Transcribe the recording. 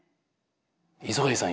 磯貝さん